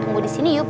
tunggu di sini yuk